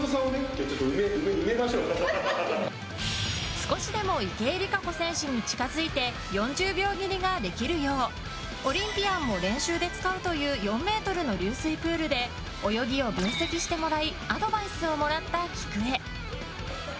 少しでも池江璃花子選手に近づいて４０秒切りができるようオリンピアンも練習で使うという４ｍの流水プールで泳ぎを分析してもらいアドバイスをもらった喜久恵。